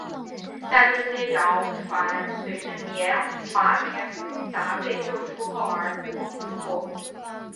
但这些谣传随着华年达被救出而不攻自破。